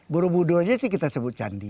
borobudhanya sih kita sebut candi